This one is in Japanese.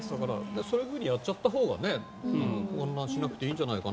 そういうふうにやっちゃったほうが混乱しなくていいんじゃないかな。